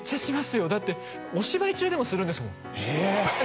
よだってお芝居中でもするんですもんええプッ！